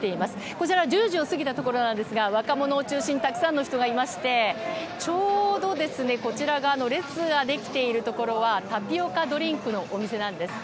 こちら１０時を過ぎたところなんですが若者を中心にたくさんの人がいましてちょうどこちら列ができているところはタピオカドリンクのお店なんです。